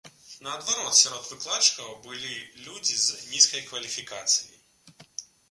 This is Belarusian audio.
Наадварот, сярод выкладчыкаў былі людзі з нізкай кваліфікацыяй.